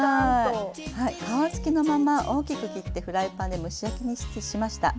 皮付きのまま大きく切ってフライパンで蒸し焼きにしました。